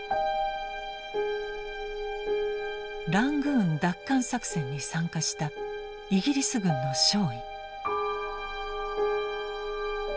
ラングーン奪還作戦に参加したイギリス軍の少尉。